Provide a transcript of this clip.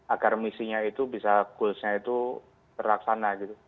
agar misinya itu bisa goals nya itu berlaksana gitu